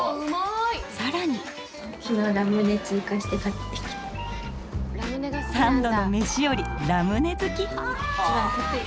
さらに。三度の飯よりラムネ好き。